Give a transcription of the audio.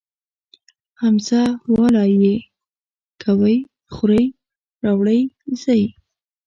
همزه واله ئ کوئ خورئ راوړئ ځئ